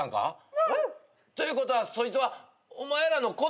ワン。ということはそいつはお前らの子供？